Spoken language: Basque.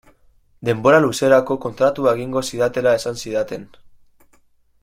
Denbora luzerako kontratua egingo zidatela esan zidaten.